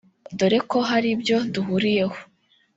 dore ko hari ibyo duhuriyeho